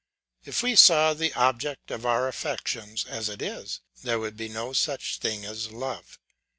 If we saw the object of our affections as it is, there would be no such thing as love.